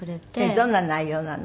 どんな内容なの？